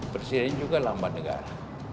presiden juga lambang negara